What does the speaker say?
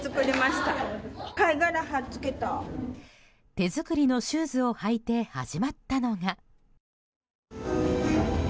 手作りのシューズを履いて始まったのが。